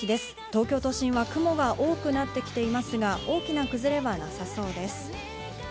東京都心は雲が多くなってきていますが、大きな崩れはなさそうです。